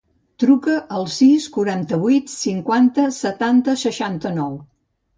Truca al sis, quaranta-vuit, cinquanta, setanta, seixanta-nou.